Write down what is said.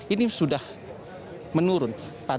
ini sudah menurun